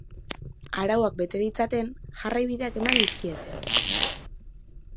Arauak bete ditzaten jarraibideak eman dizkiete.